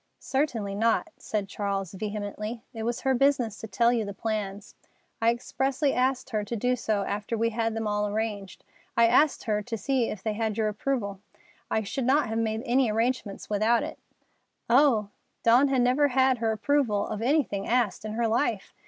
"Certainly not," said Charles vehemently. "It was her business to tell you the plans. I expressly asked her to do so after we had them all arranged. I asked her to see if they had your approval. I should not have made any arrangements without it." "Oh!" Dawn had never had her approval of anything asked in her life.